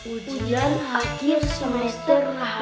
ujian akhir semester